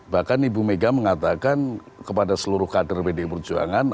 bahkan ibu mega mengatakan kepada seluruh kader pdi perjuangan